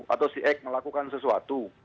atau si eg melakukan sesuatu